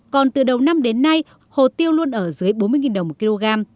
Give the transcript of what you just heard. còn từ đầu năm đến nay hồ tiêu luôn ở dưới bốn mươi đồng một kg